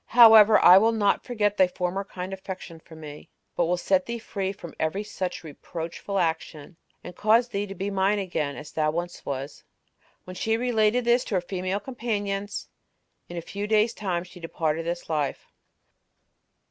However, I will not forget thy former kind affection for me, but will set thee free from every such reproachful action, and cause thee to be mine again, as thou once wast. When she had related this to her female companions, in a few days' time she departed this life.